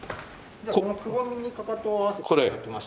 このくぼみにかかとを合わせて頂きまして。